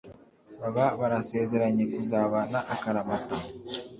baba barasezeranye kuzabana akaramata